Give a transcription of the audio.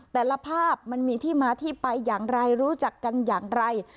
แต่ละภาพมันมีที่มาที่ไปอย่างไรรู้จักกันอย่างไร